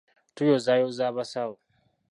Tuyozaayoza abasawo.